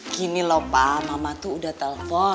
gini loh pak mama tuh udah telpon